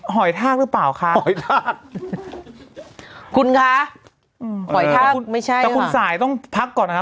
หอยทากหรือเปล่าคะหอยทากคุณคะอืมหอยทากไม่ใช่แต่คุณสายต้องพักก่อนนะครับ